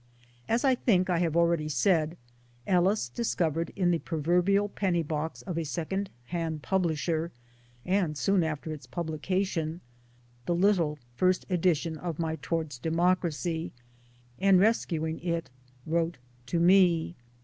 A]s I think I have already said, Ellis discovered in the proverbial penny box of a second hand publisher, and soon after its publication, the little first edition of my Towards Democracy ; and rescuing it wrote to me.